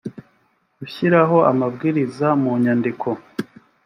c gushyiraho amabwiriza mu nyandiko